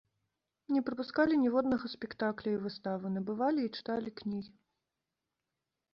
Не прапускалі ніводнага спектакля і выставы, набывалі і чыталі кнігі.